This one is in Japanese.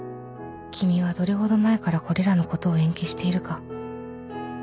「君はどれほど前からこれらのことを延期しているか」